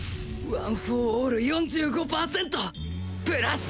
ワン・フォー・オール４５％プラス！